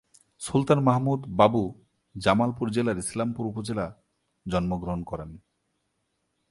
সুলতান মাহমুদ বাবু জামালপুর জেলার ইসলামপুর উপজেলা জন্মগ্রহণ করেন।